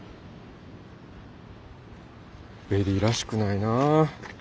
ベリーらしくないなあ。